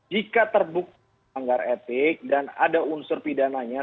jika terbukti melanggar etik dan ada unsur pidananya